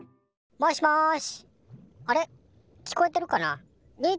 もしもし。